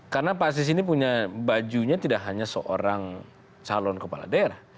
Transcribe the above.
karena pak sis ini punya bajunya tidak hanya seorang calon kepala daerah